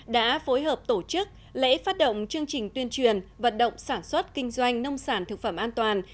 đã phối hợp tổ chức lễ phát động chương trình tuyên truyền vận động sản xuất kinh doanh nông sản thực phẩm an toàn